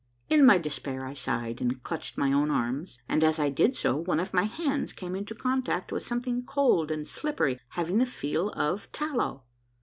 In my despair I sighed and clutched my own arms, and as I did so one of my hands came into contact with something cold and slippery having the feel of tallow.